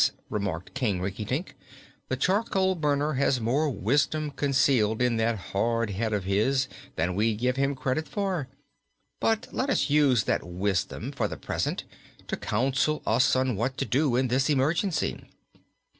"Perhaps," remarked King Rinkitink, "the charcoal burner has more wisdom concealed in that hard head of his than we gave him credit for. But let us use that wisdom, for the present, to counsel us what to do in this emergency."